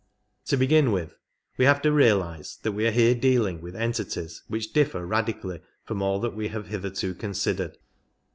To begin with, we have to realize that we are here dealing with entities which differ radically from all that we have hitherto considered.